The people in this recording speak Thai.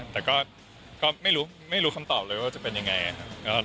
แต่ก็ไม่รู้คำตอบเลยว่าจะเป็นยังไงครับ